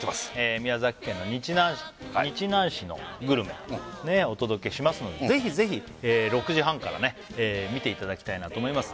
宮崎県の日南市のグルメお届けしますのでぜひぜひ６時半からね見ていただきたいなと思います